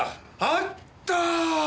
あったー！